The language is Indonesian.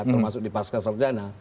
termasuk di pasca serjana